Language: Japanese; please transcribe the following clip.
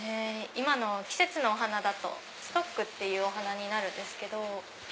今の季節のお花だとストックってお花なんですけど。